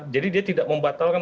jadi dia tidak membatalkan